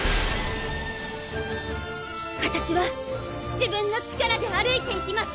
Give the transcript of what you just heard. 私は自分の力で歩いて行きます！